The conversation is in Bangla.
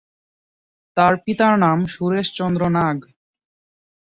তার পিতার নাম সুরেশচন্দ্র নাগ।